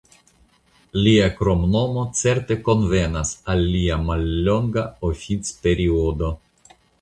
Lia kromnomo certe konvenas al lia mallonga oficperiodo.